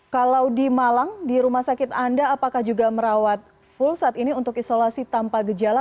kalau di malang di rumah sakit anda apakah juga merawat full saat ini untuk isolasi tanpa gejala